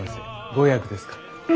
ご予約ですか？